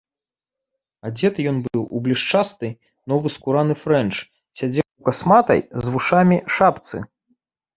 Адзеты ён быў у блішчасты, новы скураны фрэнч, сядзеў у касматай, з вушамі, шапцы.